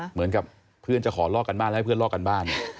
เหมือนกับเพื่อนจะขอลอกกันบ้านแล้วให้เพื่อนลอกกันบ้าน